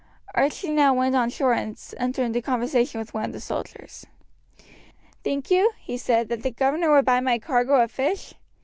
Archie now went on shore and entered into conversation with one of the soldiers. "Think you," he said, "that the governor would buy my cargo of fish.